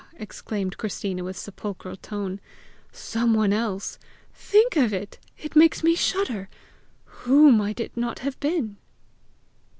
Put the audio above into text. exclaimed Christina, with sepulchral tone; " 'some one else!' Think of it! It makes me shudder! Who might it not have been!"